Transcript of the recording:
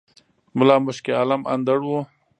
ملا مُشک عالَم اندړ وو